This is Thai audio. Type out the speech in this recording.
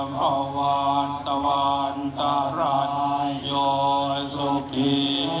บรรลุกถึงความเกษียณสำราญโดยแท้